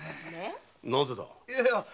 なぜだ？